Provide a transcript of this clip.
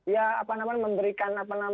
ya apa namanya memberikan